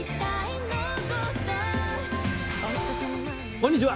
こんにちは。